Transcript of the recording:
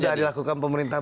itu sudah dilakukan pemerintah